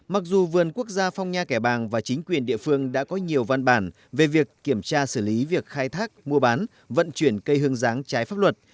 mặc dù vườn quốc gia phong nha kẻ bàng và chính quyền địa phương đã có nhiều văn bản về việc kiểm tra xử lý việc khai thác mua bán vận chuyển cây hương giáng trái pháp luật